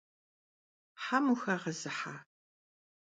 Hem vuxağezıha?